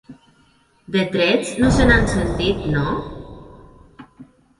De trets no se n'han sentit, no?